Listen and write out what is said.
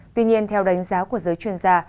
tuy nhiên theo đánh giá của giới chuyên gia